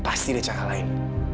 pasti ada cara lain